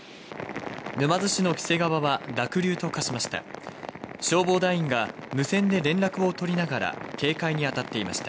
沼津市の黄瀬川は濁流と化しました。